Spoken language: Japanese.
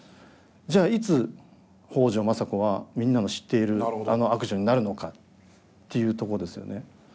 じゃあいつ北条政子はみんなの知っているあの悪女になるのかっていうとこですよね。